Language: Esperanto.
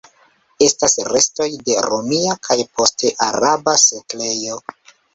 Estas restoj de romia kaj poste araba setlejo.